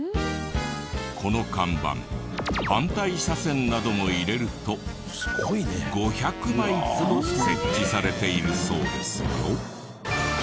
この看板反対車線なども入れると５００枚ほど設置されているそうですよ。